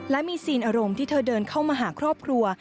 และมีซีนอารมณ์ที่เธอเดินเข้ามาหาครอบครัว